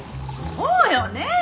そうよねえ！